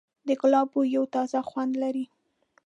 د ګلاب بوی یو تازه خوند لري.